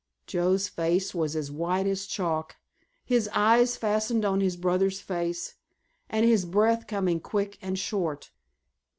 Joe's face was as white as chalk, his eyes fastened on his brother's face, and his breath coming quick and short.